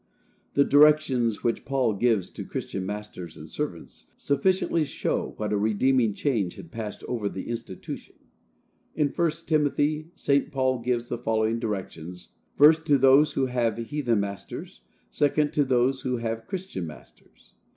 The directions which Paul gives to Christian masters and servants sufficiently show what a redeeming change had passed over the institution. In 1st Timothy, St. Paul gives the following directions, first to those who have heathen masters, second, to those who have Christian masters.